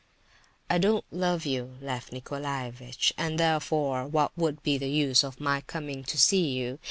"I don't love you, Lef Nicolaievitch, and, therefore, what would be the use of my coming to see you?